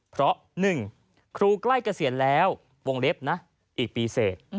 เพราะ๑ครูใกล้เกษียณแล้ววงเล็บนะอีกปีเสร็จ